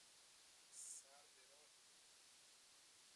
سر براهی